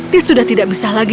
dia sudah tidak bisa lagi